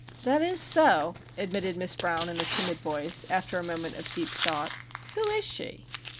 "That is so," admitted Miss Brown in a timid voice, after a moment of deep thought. "Who is she?"